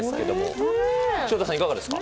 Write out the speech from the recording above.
潮田さん、いかがですか？